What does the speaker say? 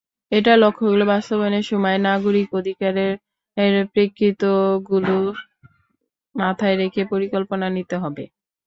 এটার লক্ষ্যগুলো বাস্তবায়নের সময় নাগরিক অধিকারের প্রেক্ষিতগুলো মাথায় রেখে পরিকল্পনা নিতে হবে।